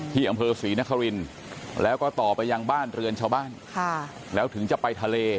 ที่อำเภอศรีนครินแล้วก็ต่อไปยังบ้านเรือนชาวบ้านแล้วถึงจะไปทะเล